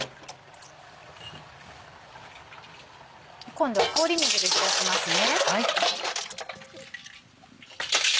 今度は氷水で冷やしますね。